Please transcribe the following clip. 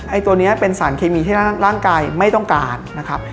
ตัวนี้เป็นสารเคมีที่ร่างกายไม่ต้องการนะครับ